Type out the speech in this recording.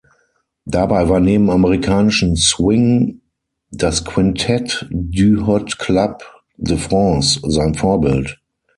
Dabei war neben amerikanischem Swing das Quintette du Hot Club de France sein Vorbild.